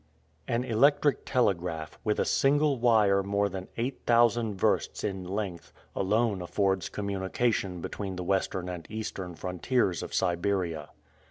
An electric telegraph, with a single wire more than eight thousand versts in length, alone affords communication between the western and eastern frontiers of Siberia.